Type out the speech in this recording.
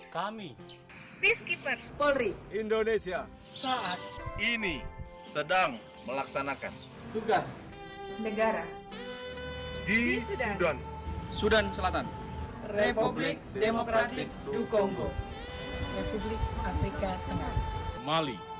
kami polri indonesia saat ini sedang melaksanakan tugas negara di sudan sudan selatan republik demokratik dukonggo republik afrika tengah mali